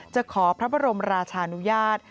จะขอพระบรมราชานุญาต